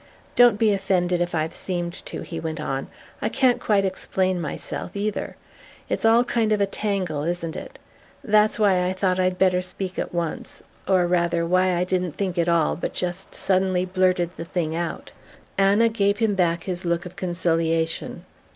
"Don't be offended if I've seemed to," he went on. "I can't quite explain myself, either ... it's all a kind of tangle, isn't it? That's why I thought I'd better speak at once; or rather why I didn't think at all, but just suddenly blurted the thing out " Anna gave him back his look of conciliation.